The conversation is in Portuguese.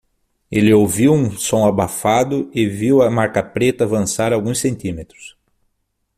Ele ouviu um som abafado e viu a marca preta avançar alguns centímetros.